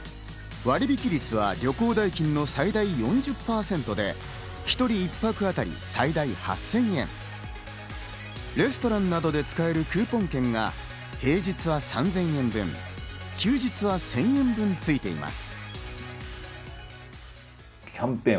割引率は旅行代金の最大４０％割で１人一泊あたり最大８０００円、レストランなどで使えるクーポン券が平日は３０００円分、休日は１０００円分ついています。